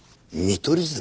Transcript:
見取り図！？